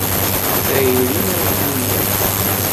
Tayri a tinnat.